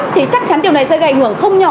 thì chắc chắn điều này sẽ gây ảnh hưởng không nhỏ